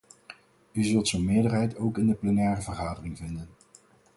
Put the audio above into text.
U zult zo'n meerderheid ook in de plenaire vergadering vinden.